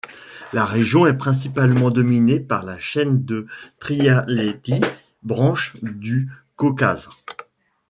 La région est principalement dominée par la Chaîne de Trialeti, branche du Caucase.